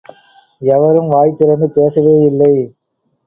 எவரும் வாய் திறந்து பேசவேயில்லை.